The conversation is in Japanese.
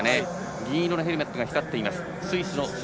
銀色のヘルメットが光っています。